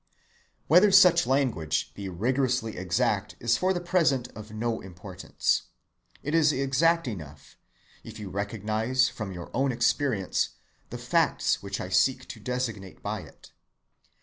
Whether such language be rigorously exact is for the present of no importance. It is exact enough, if you recognize from your own experience the facts which I seek to designate by it.